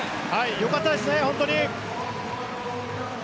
よかったですね、本当に。